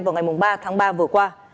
vào ngày ba tháng ba vừa qua